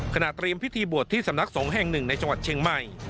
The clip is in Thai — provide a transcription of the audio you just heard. เตรียมพิธีบวชที่สำนักสงฆ์แห่งหนึ่งในจังหวัดเชียงใหม่